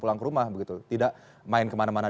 pulang ke rumah begitu tidak main kemana mana